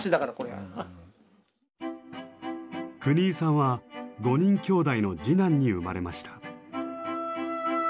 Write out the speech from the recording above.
國井さんは５人きょうだいの次男に生まれました。